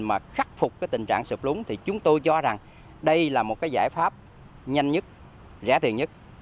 mà khắc phục tình trạng sụt lún chúng tôi cho rằng đây là một giải pháp nhanh nhất rẻ tiền nhất